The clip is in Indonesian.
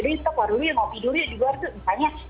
jadi kita keluar dulu ya ngopi dulu ya di luar tuh misalnya